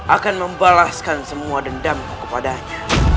akan membalaskan semua dendam kepadanya